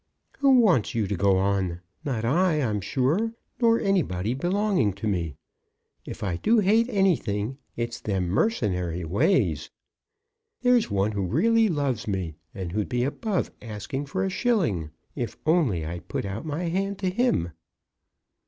"Who wants you to go on? Not I, I'm sure; nor anybody belonging to me. If I do hate anything, it's them mercenary ways. There's one who really loves me, who'd be above asking for a shilling, if I'd only put out my hand to him."